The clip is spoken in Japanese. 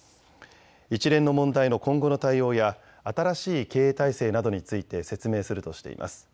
一連の問題の今後の対応や新しい経営体制などについて説明するとしています。